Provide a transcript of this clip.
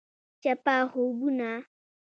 چپه خوبونه …